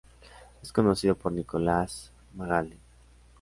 Es conducido por Nicolás Magaldi.